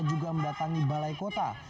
juga mendatangi balai kota